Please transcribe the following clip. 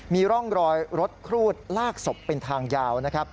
มีร่องรอยรถครูดลากศพเป็นทางยาวนะครับ